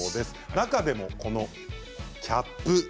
中でもキャップ。